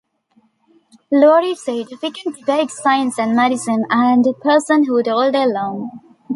Lourie said, We can debate science and medicine and personhood all day long.